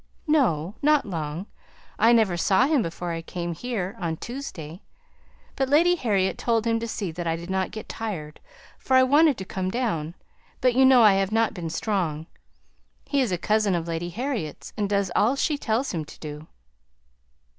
"No! not long. I never saw him before I came here on Tuesday. But Lady Harriet told him to see that I did not get tired, for I wanted to come down; but you know I have not been strong. He is a cousin of Lady Harriet's, and does all she tells him to do."